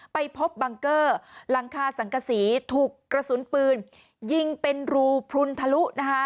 ไปพบบังเกอร์หลังคาสังกษีถูกกระสุนปืนยิงเป็นรูพลุนทะลุนะคะ